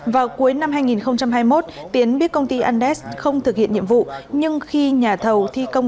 vào cuối năm hai nghìn hai mươi một tiến biết công ty andes không thực hiện nhiệm vụ nhưng khi nhà thầu thi công